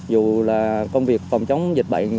dù là công việc phòng chống dịch bệnh